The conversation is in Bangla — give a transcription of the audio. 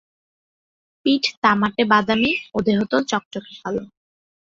পিঠ তামাটে-বাদামি ও দেহতল চকচকে কালো।